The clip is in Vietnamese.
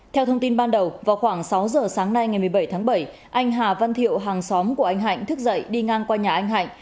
theo thông tin ban đầu vào khoảng sáu giờ sáng nay ngày một mươi bảy tháng bảy anh hà văn thiệu hàng xóm của anh hạnh thức dậy đi ngang qua nhà anh hạnh